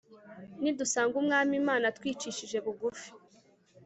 Nidusanga Umwami Imana twicishije bugufi